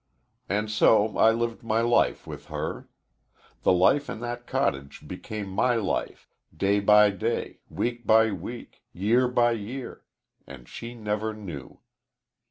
"And so I lived my life with her. The life in that cottage became my life day by day, week by week, year by year and she never knew.